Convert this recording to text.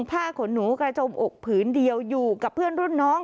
ผ้าขนหนูกระจมอกผืนเดียวอยู่กับเพื่อนรุ่นน้อง